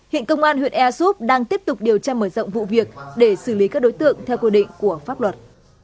hiện công an huyện ea súp đang tiếp tục điều tra mở rộng vụ việc để xử lý các đối tượng theo quy định của pháp luật